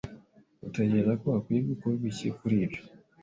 Utekereza ko hakwiye gukorwa iki kuri byo?